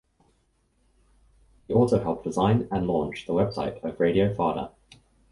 He also helped design and launch the website of Radio Farda.